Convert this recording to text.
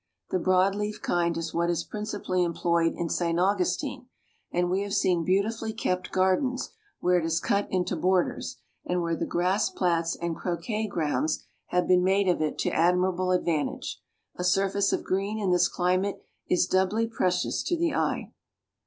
The broad leafed kind is what is principally employed in St. Augustine; and we have seen beautifully kept gardens where it is cut into borders, and where the grass plats and croquet grounds have been made of it to admirable advantage. A surface of green in this climate is doubly precious to the eye.